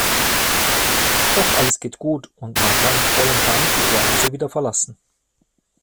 Doch alles geht gut, und man kann mit vollem Tank die Oase wieder verlassen.